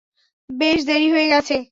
বেশ দেরি হয়ে গেছে।